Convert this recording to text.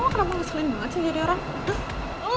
lo kenapa ngeselin banget sih jadi orang